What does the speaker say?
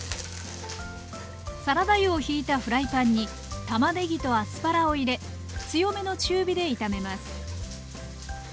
サラダ油をひいたフライパンにたまねぎとアスパラを入れ強めの中火で炒めます